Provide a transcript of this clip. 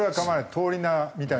通り名みたいな事？